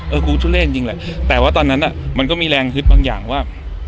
กูทุเล่จริงแหละแต่ว่าตอนนั้นอ่ะมันก็มีแรงฮึดบางอย่างว่า